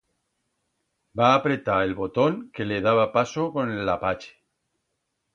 Va apretar el botón que le daba paso con l'Apache.